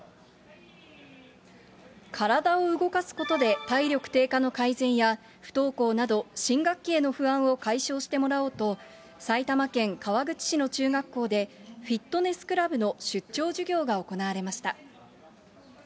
体を動かすことで体力低下の改善や不登校など新学期への不安を解消してもらおうと、埼玉県川口市の中学校で、フィットネスクラブの出張授業が行われました。